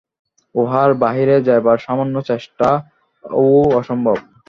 উহার বাহিরে যাইবার সামান্য চেষ্টাও অসম্ভব।